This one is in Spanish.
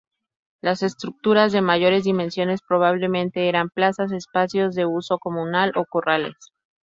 Las estructuras de mayores dimensiones probablemente eran plazas, espacios de uso comunal o corrales.